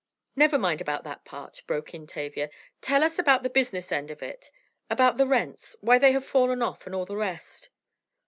"Never mind about that part," broke in Tavia. "Tell us about the business end of it. About the rents, why they have fallen off, and all the rest."